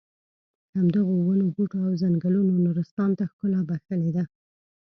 همدغو ونو بوټو او ځنګلونو نورستان ته ښکلا بښلې ده.